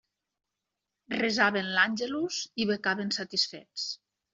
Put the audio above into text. Resaven l'àngelus i becaven satisfets.